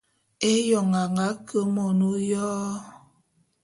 Éyoň a nga ke mon ôyo.